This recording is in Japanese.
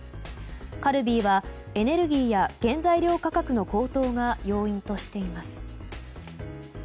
カルビーはエネルギーや原材料価格の高騰が要因としています。